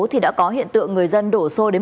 thì đã có hiện tượng người dân đổ xô đến